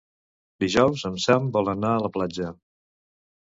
Dijous en Sam vol anar a la platja.